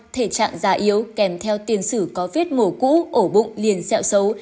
thể trạng già yếu kèm theo tiền sử có viết mổ cú ổ bụng liền xeo xấu